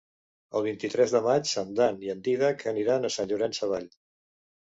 El vint-i-tres de maig en Dan i en Dídac aniran a Sant Llorenç Savall.